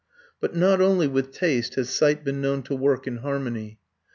But not only with taste has sight been known to work in harmony.